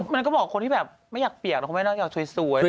มันก็บอกคนที่แบบไม่อยากเปียกคงไม่ต้องอยากสวย